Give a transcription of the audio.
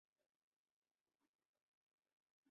符存审父亲符楚是陈州牙将。